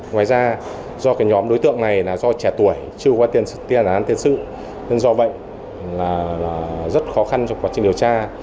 ngoài ra do nhóm đối tượng này là do trẻ tuổi chưa qua tiền sử nên do vậy rất khó khăn trong quá trình điều tra